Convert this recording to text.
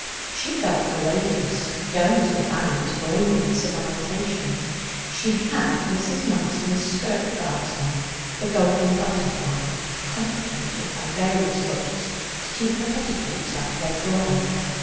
She felt courageous; going to the valley was braving civilization. She had Mrs. Marston's skirt fastener the golden butterfly, complicated by various hooks to keep her petticoats up later on.